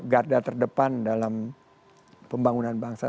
garda terdepan dalam pembangunan bangsa